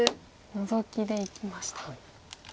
ノゾキでいきました。